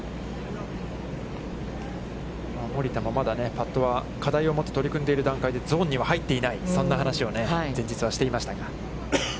森田もまだパットは課題を持って取り組んでる段階で、ゾーンには入っていない、そんな話を前日にはしていましたが。